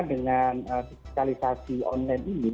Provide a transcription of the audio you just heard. dengan digitalisasi online ini